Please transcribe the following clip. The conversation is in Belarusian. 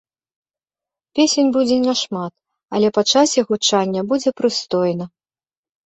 Песень будзе не шмат, але па часе гучання будзе прыстойна.